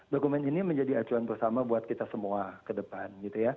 dokumen ini menjadi acuan bersama buat kita semua ke depan